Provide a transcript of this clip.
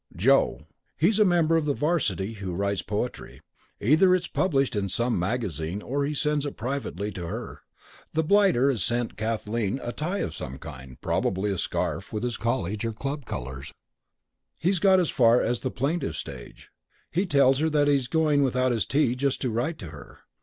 Joe. He's a member of the 'varsity who writes poetry. Either it's published in some magazine or he sends it privately to her. The blighter has sent Kathleen a tie of some kind probably a scarf with his college or club colours. He's got as far as the plaintive stage: he tells her that he is going without his tea just to write to her.